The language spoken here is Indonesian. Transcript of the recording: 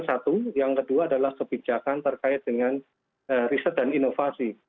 satu yang kedua adalah kebijakan terkait dengan riset dan inovasi